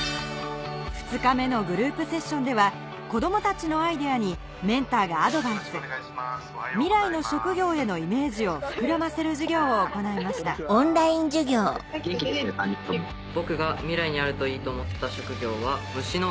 ２日目のグループセッションでは子どもたちのアイデアにメンターがアドバイス未来の職業へのイメージを膨らませる授業を行いましたかなと思って。